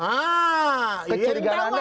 kecilkan anda apa